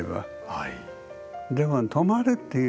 はい。